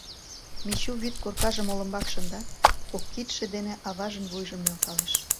Мичу вӱд коркажым олымбак шындат, кок кидше дене аважын вуйжым нӧлталеш.